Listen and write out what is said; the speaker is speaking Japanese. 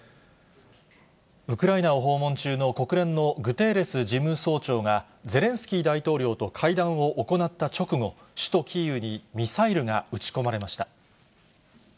ウクライナを訪問中の国連のグテーレス事務総長が、ゼレンスキー大統領と会談を行った直後、首都キーウにミサイルが撃ち込まれました。